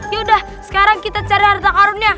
ya udah sekarang kita cari harta karunnya